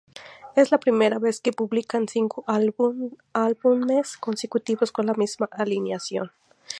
Es la primera vez que publican cinco álbumes consecutivos con la misma alineación.